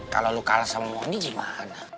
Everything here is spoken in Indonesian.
kalau lo kalah sama ini gimana